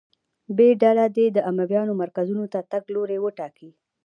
ب ډله دې د امویانو مرکزونو ته تګ لوری وټاکي.